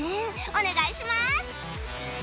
お願いします！